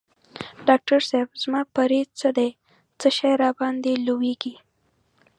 ډاکټر صېب زما پریز څه دی څه شی نه راباندي لویږي؟